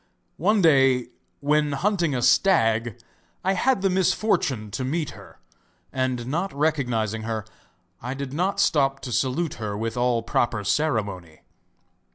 One day, when hunting a stag, I had the misfortune to meet her, and not recognising her, I did not stop to salute her with all proper ceremony.